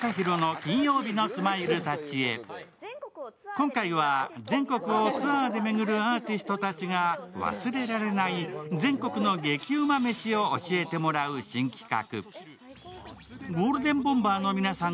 今回は全国をツアーで巡るアーティストたちが忘れられない全国の激うま飯を教えてもらう新企画。